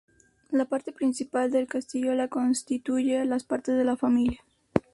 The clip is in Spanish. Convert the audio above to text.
La parte principal del castillo la constituyen las partes de la familia.